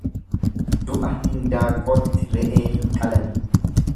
Du'a hindaaqqootti re'ee hin qalani.